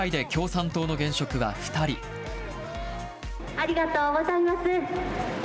ありがとうございます。